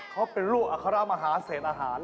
เขาเป็นลูกอัครมหาเศษอาหาร